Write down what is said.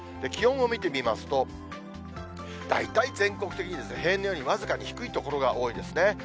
気温を見てみますと、大体全国的に平年より僅かに低い所が多いですね。